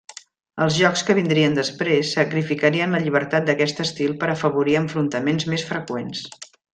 Els jocs que vindrien després sacrificarien la llibertat d'aquest estil per afavorir enfrontaments més freqüents.